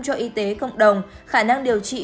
cho y tế cộng đồng khả năng điều trị